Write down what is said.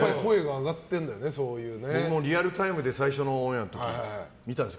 リアルタイムで最初のオンエア見たんです